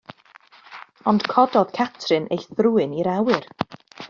Ond cododd Catrin ei thrwyn i'r awyr.